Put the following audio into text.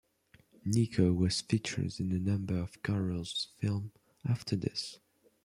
Nico was featured in a number of Garrel's films after this.